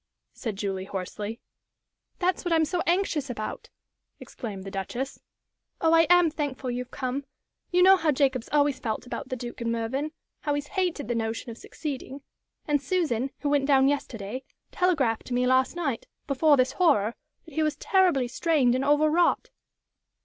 said Julie, hoarsely. "That's what I'm so anxious about," exclaimed the Duchess. "Oh, I am thankful you've come! You know how Jacob's always felt about the Duke and Mervyn how he's hated the notion of succeeding. And Susan, who went down yesterday, telegraphed to me last night before this horror that he was 'terribly strained and overwrought.'"